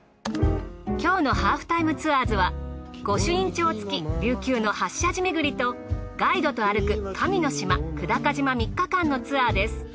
今日の『ハーフタイムツアーズ』は御朱印帳付き琉球の８社寺めぐりとガイドとあるく神の島久高島３日間のツアーです。